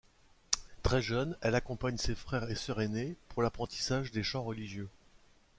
Très jeune, elle accompagne ses frères et sœurs aînés pour l'apprentissage des chants religieux.